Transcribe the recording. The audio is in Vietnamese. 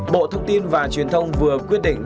bộ thông tin và truyền thông vừa quyết định